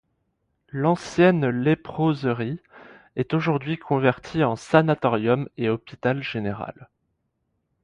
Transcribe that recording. L'ancienne léproserie est aujourd'hui convertie en sanatorium et hôpital général.